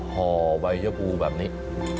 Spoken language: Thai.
ห่อไว้เฮียบูร์แบบนี้